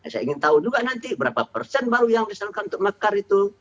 saya ingin tahu juga nanti berapa persen baru yang disalurkan untuk mekar itu